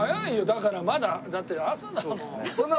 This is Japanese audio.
だからまだだって朝だもん。